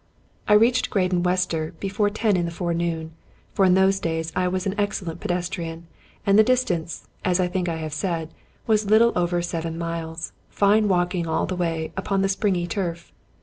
I reached Graden Wester before ten in the forenoon; for in those days I was an excellent pedestrian, and the dis tance, as I think I have said, was little over seven miles; fine walking all the way upon the springy turf.